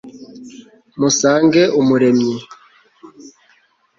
musange umuremyi